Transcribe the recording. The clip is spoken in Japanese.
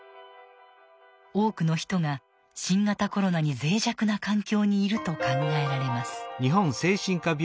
多くの人が新型コロナにぜい弱な環境にいると考えられます。